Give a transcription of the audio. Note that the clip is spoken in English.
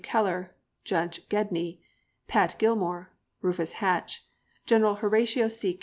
Keller, Judge Gedney, "Pat" Gilmore, Rufus Hatch, General Horatio C.